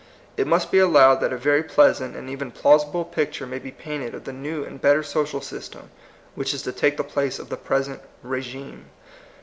It must be allowed that a very pleas ant and even plausible picture may be painted of the new and better social sys tem which is to take the place of the pres ent rSgime.